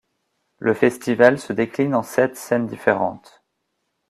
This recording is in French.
Le festival se décline en sept scènes différentes.